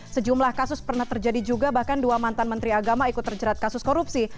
sejumlah kasus pernah terjadi juga bahkan dua mantan menteri agama ikut terjerat kasus korupsi